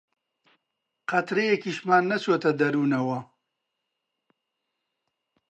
قەترەیەکیشمان نەچۆتە دەروونەوە